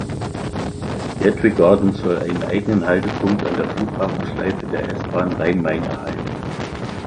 Gateway Gardens soll einen eigenen Haltepunkt an der Flughafenschleife der S-Bahn Rhein-Main erhalten.